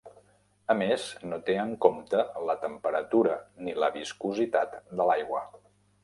A més, no té en compte la temperatura ni la viscositat de l'aigua.